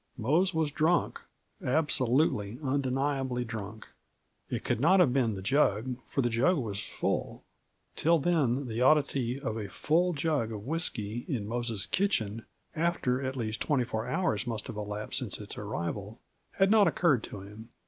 Mose was drunk; absolutely, undeniably drunk. It could not have been the jug, for the jug was full. Till then the oddity of a full jug of whisky in Mose's kitchen after at least twenty four hours must have elapsed since its arrival, had not occurred to him.